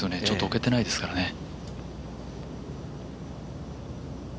ちょっと、おけてないですからね。